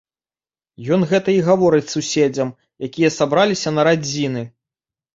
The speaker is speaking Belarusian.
Ён гэта і гаворыць суседзям, якія сабраліся на радзіны.